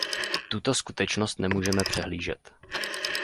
Tuto skutečnost nemůžeme přehlížet.